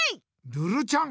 ルルちゃん。